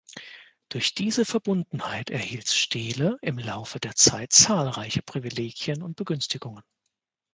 Durch diese Verbundenheit erhielt Steele im Laufe der Zeit zahlreiche Privilegien und Begünstigungen.